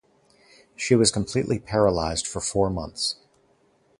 She was completely paralyzed for four months.